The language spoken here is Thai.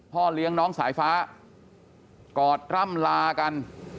พ่อเลี้ยงน้องสายฟ้ากอดร่ำลากัน